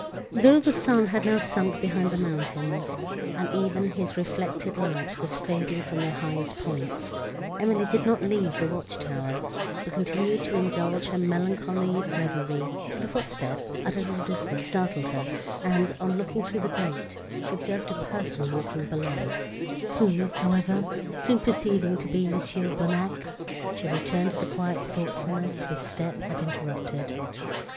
Though the sun had now sunk behind the mountains, and even his reflected light was fading from their highest points, Emily did not leave the watch tower, but continued to indulge her melancholy reverie, till a footstep, at a little distance, startled her, and, on looking through the grate, she observed a person walking below, whom, however, soon perceiving to be Mons. Bonnac, she returned to the quiet thoughtfulness his step had interrupted.